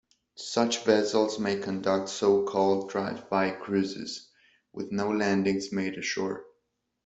Such vessels may conduct so-called "drive-by" cruises, with no landings made ashore.